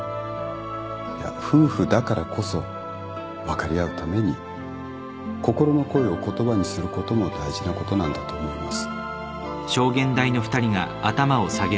いや夫婦だからこそ分かり合うために心の声を言葉にすることも大事なことなんだと思います。